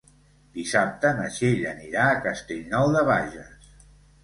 Dissabte na Txell anirà a Castellnou de Bages.